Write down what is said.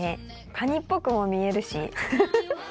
カニっぽくも見えるしフフフ。